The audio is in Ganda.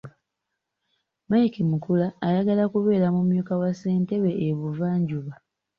Mike Mukula ayagala kubeera mumyuka wa ssentebe e Buvanjuba.